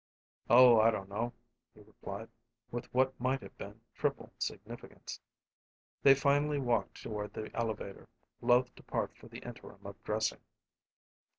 "Oh, I don't know!" he replied, with what might have been triple significance. They finally walked toward the elevator, loath to part for the interim of dressing.